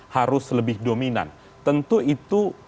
harus lebih dominan tentu itu